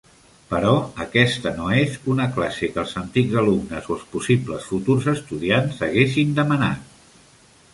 Però aquesta no és una classe que els antics alumnes o els possibles futurs estudiants haguessin demanat.